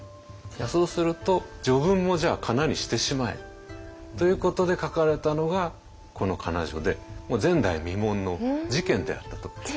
そうすると序文もじゃあかなにしてしまえ。ということで書かれたのがこの仮名序でもう前代未聞の事件であったといえると思います。